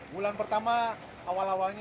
bulan pertama awal awalnya